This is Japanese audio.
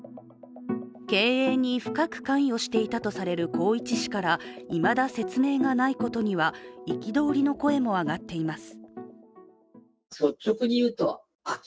経営に深く関与していたとされる宏一氏からいまだ説明がないことには憤りの声も上がっています。